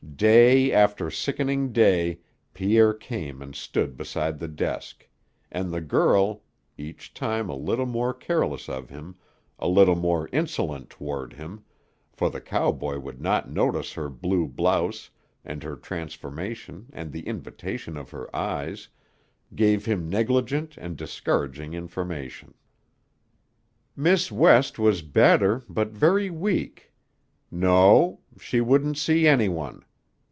Day after sickening day Pierre came and stood beside the desk, and the girl, each time a little more careless of him, a little more insolent toward him for the cowboy would not notice her blue blouse and her transformation and the invitation of her eyes gave him negligent and discouraging information. "Miss West was better, but very weak. No. She wouldn't see any one.